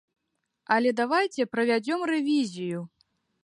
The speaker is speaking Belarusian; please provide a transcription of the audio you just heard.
Але давайце правядзём рэвізію.